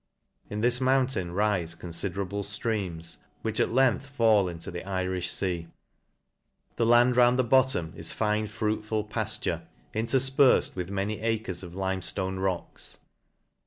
In this mountain rife considerable ftreams, which at length LAN C A S H I R F. S95 length fall into the Irijh fea. The land round the bottom is fine fruitful pafture, interfperfed with many acres of lime ftone rocks.